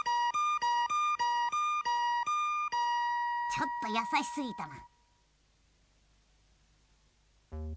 ちょっとやさしすぎたな。